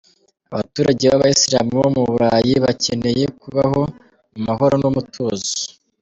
Abaturage b’abayisilamu bo mu Burayi bakeneye kubaho mu mahoro n’umutuzo.